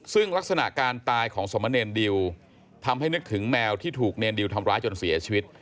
ซึ่งลักษณะการตายของสมเนรดิวทำให้นึกถึงแมวที่ถูกเนรดิวทำร้ายจนเสียชีวิต